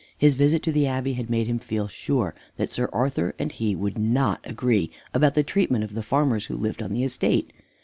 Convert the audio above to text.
His visit to the Abbey had made him feel sure that Sir Arthur and he would not agree about the treatment of the farmers who lived on the estate.